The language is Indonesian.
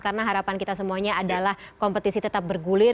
karena harapan kita semuanya adalah kompetisi tetap bergulir